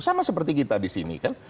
sama seperti kita di sini kan